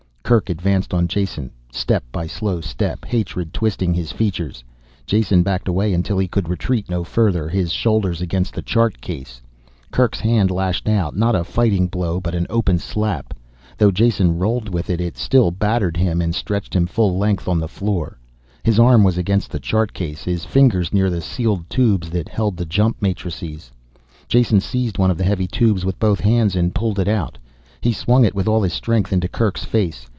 Kerk advanced on Jason, step by slow step, hatred twisting his features. Jason backed away until he could retreat no further, his shoulders against the chart case. Kerk's hand lashed out, not a fighting blow, but an open slap. Though Jason rolled with it, it still battered him and stretched him full length on the floor. His arm was against the chart case, his fingers near the sealed tubes that held the jump matrices. Jason seized one of the heavy tubes with both hands and pulled it out. He swung it with all his strength into Kerk's face.